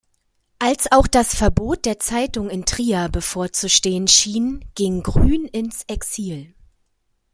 Als auch das Verbot der Zeitung in Trier bevorzustehen schien, ging Grün ins Exil.